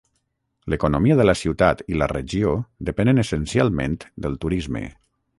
L'economia de la ciutat i la regió depenen essencialment del turisme.